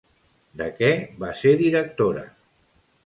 De què va ser directora?